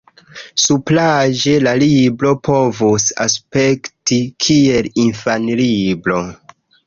Supraĵe la libro povus aspekti kiel infanlibro.